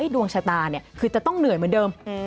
ดวงชะตาคือจะต้องเหนื่อยเหมือนเดิม